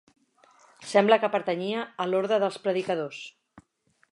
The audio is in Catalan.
Sembla que pertanyia a l'orde dels predicadors.